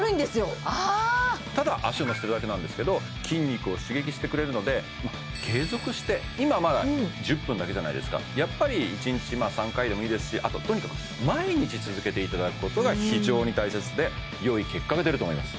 ただ足を乗せてるだけなんですけど筋肉を刺激してくれるので継続して今まだ１０分だけじゃないですかやっぱり１日３回でもいいですしあととにかく毎日続けていただくことが非常に大切でよい結果が出ると思います